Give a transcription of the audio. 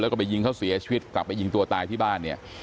แล้วก็ไปยิงเขาเสียชีวิตกลับไปยิงตัวตายที่บ้านเนี่ย